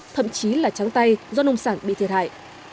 thậm chí là trắng tay do nông sản bị thiệt hại